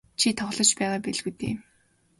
Чи тоглож байгаа байлгүй дээ.